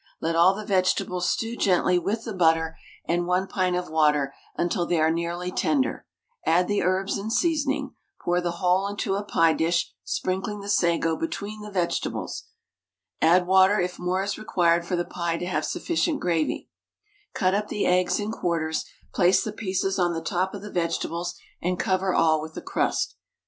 Let all the vegetables stew gently with the butter and 1 pint of water until they are nearly tender; add the herbs, and seasoning; pour the whole into a pie dish, sprinkling the sago between the vegetables; add water if more is required for the pie to have sufficient gravy; cut up the eggs in quarters, place the pieces on the top of the vegetables, and cover all with a crust.